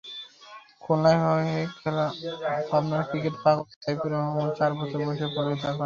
খুলনার হয়ে খেলা পাবনার ক্রিকেট-পাগল সাইফুর রহমান চার বছর বয়সে পোলিওতে আক্রান্ত হন।